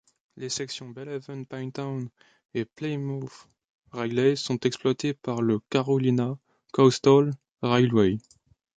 Les sections Belhaven-Pinetown et Plymouth-Raleigh sont exploités par le Carolina Coastal Railway.